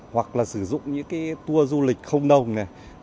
hoặc sử dụng những tour du lịch không nồng